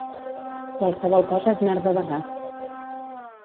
Qualsevol cosa és merda de gat.